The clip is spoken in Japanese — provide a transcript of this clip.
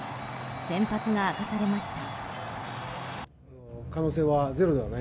先発が明かされました。